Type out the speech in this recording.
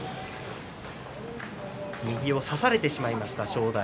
右を差されてしまいました、正代。